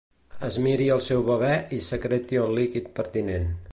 Es miri el seu bebè i secreti el líquid pertinent.